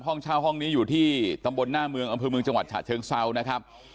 ห้องเช่าห้องนี้อยู่ที่ตำบลหน้าเมืองอำเภอเมืองจังหวัดฉะเชิงเซานะครับ